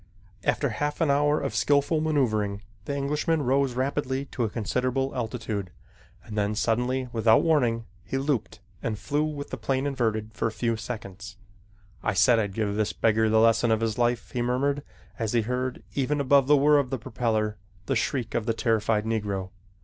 After half an hour of skillful maneuvering, the Englishman rose rapidly to a considerable altitude, and then, suddenly, without warning, he looped and flew with the plane inverted for a few seconds. "I said I'd give this beggar the lesson of his life," he murmured as he heard, even above the whir of the propeller, the shriek of the terrified Negro.